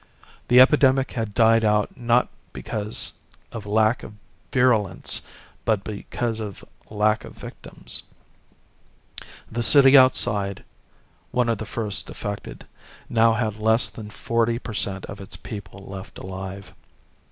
The epidemic had died out not because of lack of virulence but because of lack of victims. The city outside, one of the first affected, now had less than forty per cent of its people left alive.